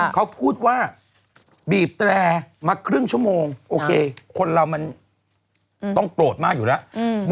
เขาพูดว่าบีบแตรมาครึ่งชั่วโมงโอเคคนเรามันต้องโกรธมากอยู่แล้ว